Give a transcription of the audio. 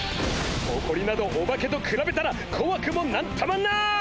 ほこりなどオバケとくらべたらこわくも何ともない！